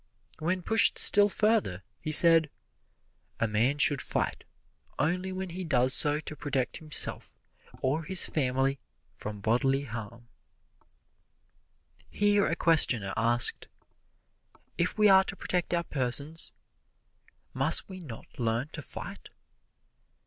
When pushed still further, he said, "A man should fight, only when he does so to protect himself or his family from bodily harm." Here a questioner asked, "If we are to protect our persons, must we not learn to fight?"